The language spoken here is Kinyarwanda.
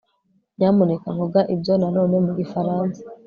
nyamuneka vuga ibyo na none mu gifaransa